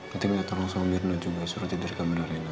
nanti minta tolong sama mirna juga suruh tidur di kamar reina